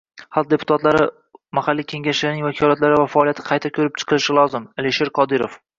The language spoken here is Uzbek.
“Xalq deputatlari mahalliy Kengashlarining vakolatlari va faoliyati qayta ko‘rib chiqilishi lozim” – Alisher Qodirov